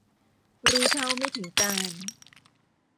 รู้เท่าไม่ถึงการณ์